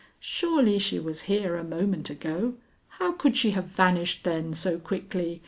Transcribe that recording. Surely she was here a moment ago. How could she have vanished, then, so quickly?